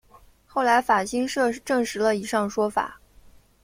后来法新社证实了以上说法。